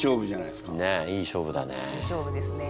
いい勝負ですね。